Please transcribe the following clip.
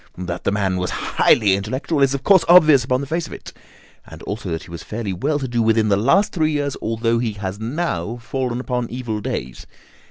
That the man was highly intellectual is of course obvious upon the face of it, and also that he was fairly well to do within the last three years, although he has now fallen upon evil days.